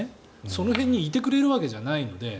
その辺にいてくれるわけじゃないので。